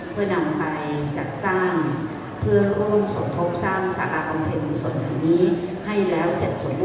เพื่อนำไปจัดสร้างเพื่อร่วมสมทบสร้างสาราประมัยกุศลแห่งนี้ให้แล้วเสร็จสมบูรณ์